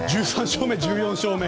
１３勝目、１４勝目。